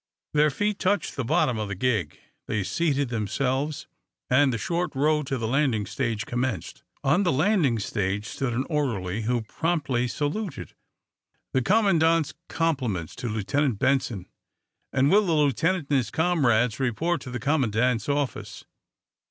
Their feet touched the bottom of the gig. They seated themselves, and the short row to the landing stage commenced. On the landing stage stood an orderly, who promptly saluted. "The Commandant's compliments to Lieutenant Benson, and will the Lieutenant and his comrades report at the Commandant's office."